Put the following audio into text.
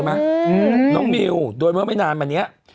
ดิมั้ยอืมน้องมิวโดยเมื่อไม่นานมาเนี้ย